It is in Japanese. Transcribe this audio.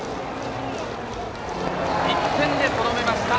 １点でとどめました。